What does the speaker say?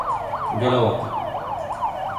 Galeote